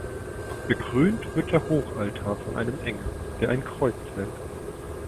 Bekrönt wird der Hochaltar von einem Engel, der ein Kreuz hält.